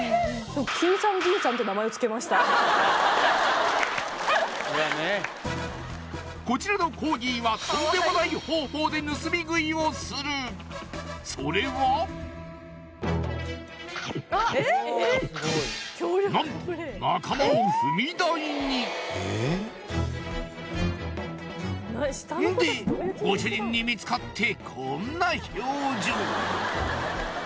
そりゃねこちらのコーギーはで盗み食いをするそれは何と仲間を踏み台にんでご主人に見つかってこんな表情